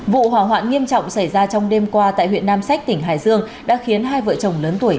vụ hỏa hoạn nghiêm trọng xảy ra trong đêm qua tại huyện nam sách tỉnh hải dương đã khiến hai vợ chồng lớn tuổi